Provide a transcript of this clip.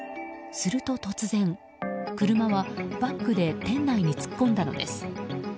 すると突然、車はバックで店内に突っ込んだのです。